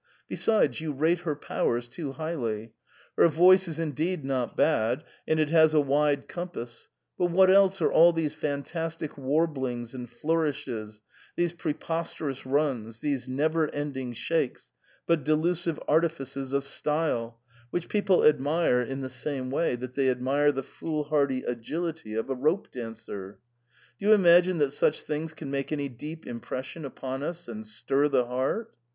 Besides, you rate her powers too highly. Her voice is indeed not bad, and it has a wide compass ; but what else are all these fantastic warblings and flourishes, these preposterous runs, these never ending shakes, but delusive artifices of style, which people admire in the same way that they admire the foolhardy agility of a rope dancer ? Do you imagine that such things can make any deep impression upon us and stir the heart